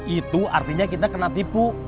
itu artinya kita kena tipu